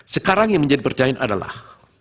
sekarang yang menjadi percaya adalah